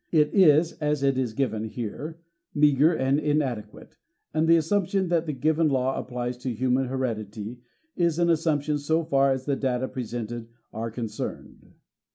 It is, as it is given here, meager and inadequate, and the assumption that the given law applies to human hered ity is an assumption so far as the data presented are concerned.